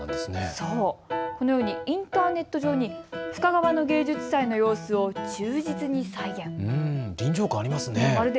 このようにインターネット上に深川の芸術祭の様子を忠実に再現。